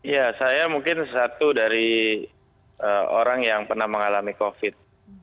ya saya mungkin satu dari orang yang pernah mengalami covid